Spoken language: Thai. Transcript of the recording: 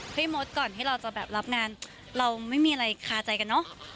มดก่อนที่เราจะแบบรับงานเราไม่มีอะไรคาใจกันเนอะ